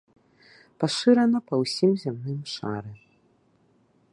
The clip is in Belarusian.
Пашырана па ўсім зямным шары.